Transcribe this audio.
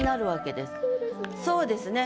そうですね。